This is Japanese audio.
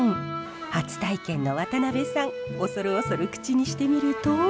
初体験の渡辺さん恐る恐る口にしてみると。